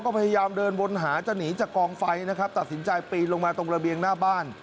ก็พยายามเดินวนหาจะหนีจากกองไฟนะครับตัดสินใจปีนลงมาตรงระเบียงหน้าบ้าน